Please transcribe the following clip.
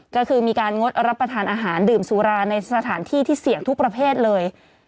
ก็คือมีการงดรับประทานอาหารดื่มสุราในสถานที่ที่เสี่ยงทุกประเภทเลย